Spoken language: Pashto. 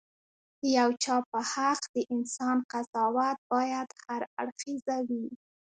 د یو چا په حق د انسان قضاوت باید هراړخيزه وي.